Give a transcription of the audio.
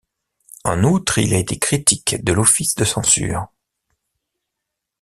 En outre, il a été critique de l'office de censure.